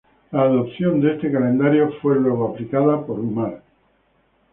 La adopción de este calendario fue luego aplicada por Umar.